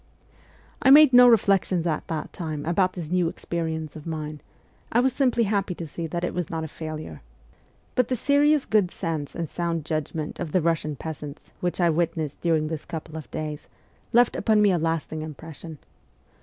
I made no reflections at that time about this new experience of mine ; I was simply happy to see that it was not a failure. But the serious good sense and sound judgment of the Russian peasants which I witnessed during this couple of days, left upon me a lasting impression.